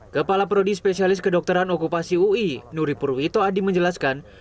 kepala prodispesialis kedokteran okupasi ui nuri purwito adi menjelaskan